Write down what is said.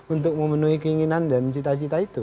untuk memenuhi keinginan dan cita cita itu